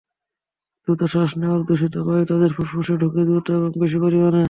দ্রুত শ্বাস নেওয়ায় দূষিত বায়ু তাদের ফুসফুসে ঢোকে দ্রুত এবং বেশি পরিমাণে।